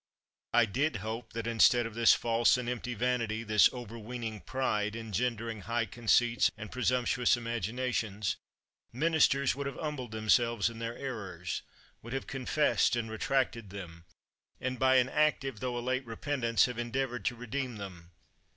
I did hope, that instead of this false and empty vanity, this overweening pride, engendering high conceits and presumptuous imaginations, minis ters would have humbled themselves in their errors, would have confessed and retracted them, and by an active, tho a late, repentance, have endeavored to redeem them.